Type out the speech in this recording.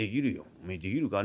「おめえできるかね。